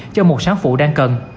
cho một sáng phụ đang cần